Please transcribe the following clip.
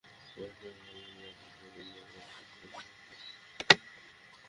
বলেছিলাম না, আমি না থাকলে যেন এরা এখানে না আসে।